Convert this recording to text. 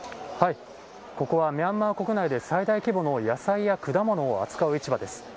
ここはミャンマー国内で最大規模の野菜や果物を扱う市場です。